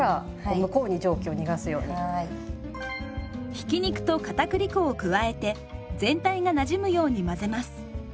ひき肉とかたくり粉を加えて全体がなじむように混ぜます。